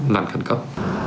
nạn khẩn cấp